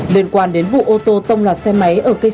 liên quan đến vụ ô tô tông lọt xe máy ở cây xe